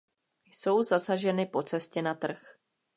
Jsou zasaženy po cestě na trh.